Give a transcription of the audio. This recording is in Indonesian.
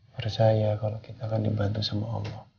percaya kalau kita kan dibantu sama allah